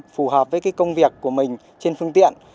phù hợp với công việc của mình trên phương tiện